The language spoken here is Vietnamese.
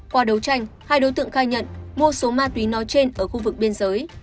qua đấu tranh hai đối tượng khai nhận mua số ma túy nói trên ở khu vực biên giới